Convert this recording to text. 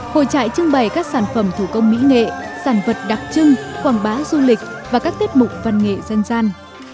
hội trại trưng bày các sản phẩm thủ công mỹ nghệ sản vật đặc trưng quảng bá du lịch và các tiết mục văn nghệ dân gian